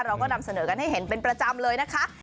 เราก็นำเสนอกันให้เห็นเป็นประจำเลยนะคะ